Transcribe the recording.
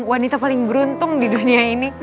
wanita paling beruntung di dunia ini